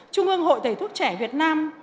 trung ương hội thầy thuốc trẻ việt nam